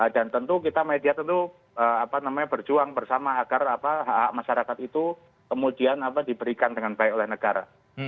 dan tentu kita media tentu berjuang bersama agar hak hak masyarakat itu kemudian diberikan dengan baik oleh negara